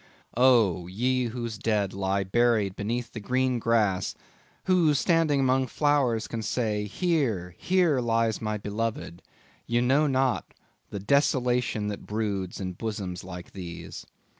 Oh! ye whose dead lie buried beneath the green grass; who standing among flowers can say—here, here lies my beloved; ye know not the desolation that broods in bosoms like these.